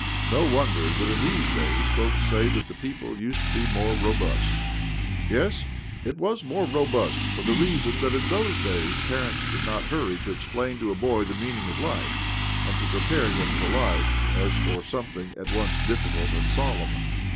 No wonder that in these days folk say, that the people used to be more robust ! Yes, it was more robust, for the reason that in those days parents did not hurry to explain to a boy the meaning of life, and to prepare him for life as for something at once difficult and solemn.